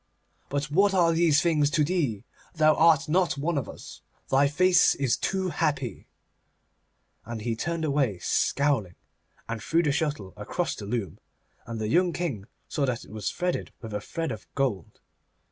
But what are these things to thee? Thou art not one of us. Thy face is too happy.' And he turned away scowling, and threw the shuttle across the loom, and the young King saw that it was threaded with a thread of gold.